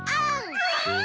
うわ！